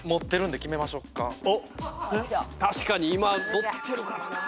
確かに今ノッてるからな。